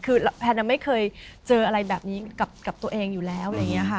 คือแพนไม่เคยเจออะไรแบบนี้กับตัวเองอยู่แล้วอะไรอย่างนี้ค่ะ